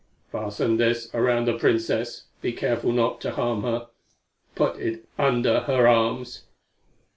"Fasten this around the Princess. Be careful not to harm her. Put it under her arms."